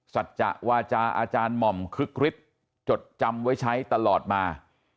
สัจจะวาจาอาจารย์หม่อมคึกฤทธิ์จดจำไว้ใช้ตลอดมา